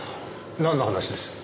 なんの話です？